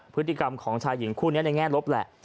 พฤติกรรมของชายหญิงคู่นี้ในแง่ลบแหละ